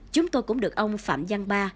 chúng tôi cũng được ông phạm giang ba